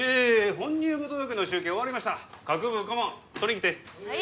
本入部届の集計終わりました各部顧問取りん来てはい